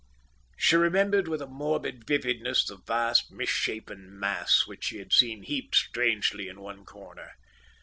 She remembered with a morbid vividness the vast misshapen mass which she had seen heaped strangely in one corner.